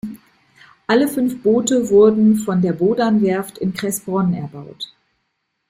Alle fünf Boote wurden von der Bodan-Werft in Kressbronn erbaut.